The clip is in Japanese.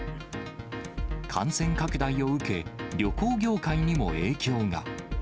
感染拡大を受け、旅行業界にも影響が。